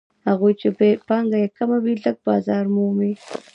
هغوی چې پانګه یې کمه وي لږ بازار مومي